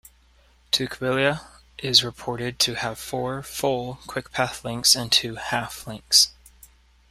Tukwila is reported to have four "full" QuickPath links and two "half" links.